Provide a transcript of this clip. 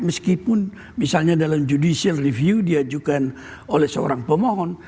meskipun misalnya dalam judicial review diajukan oleh seorang pemohon